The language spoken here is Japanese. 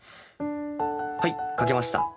はい書けました。